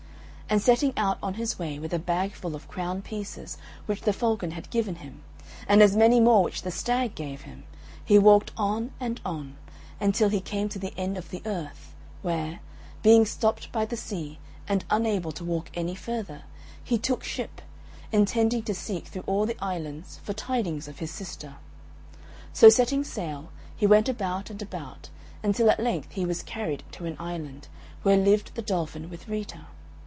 And setting out on his way, with a bagful of crown pieces which the Falcon had given him, and as many more which the Stag gave him, he walked on and on, until he came to the end of the earth, where, being stopped by the sea and unable to walk any further, he took ship, intending to seek through all the islands for tidings of his sister. So setting sail, he went about and about, until at length he was carried to an island, where lived the Dolphin with Rita.